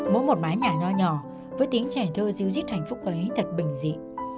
mỗi một mái nhà nhỏ nhỏ với tiếng trẻ thơ dưu dít hạnh phúc ấy thật bình dị